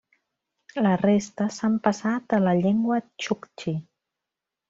La resta s'han passat a la llengua txuktxi.